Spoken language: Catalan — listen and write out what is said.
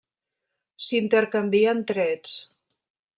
S'intercanvien trets.